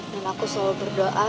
dan aku selalu berdoa